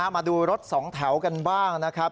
มาดูรถสองแถวกันบ้างนะครับ